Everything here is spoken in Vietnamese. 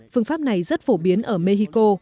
phương pháp này rất phổ biến ở mexico